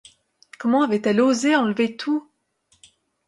Comment avait-elle osé enlever tout!